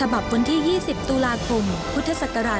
วันที่๒๐ตุลาคมพุทธศักราช๒๕